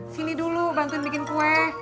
sini dulu bantuin bikin kue